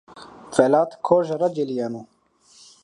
Felat Korja ra celîyeno